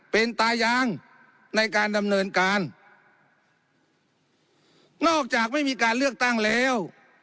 เป็นตายางในการดำเนินการนอกจากไม่มีการเลือกตั้งแล้ว